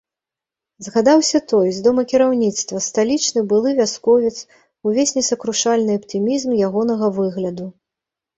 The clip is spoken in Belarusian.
Згадаўся той, з домакіраўніцтва, сталічны былы вясковец, увесь несакрушальны аптымізм ягонага выгляду.